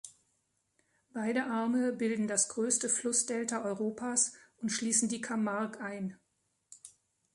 Beide Arme bilden das größte Flussdelta Europas und schließen die Camargue ein.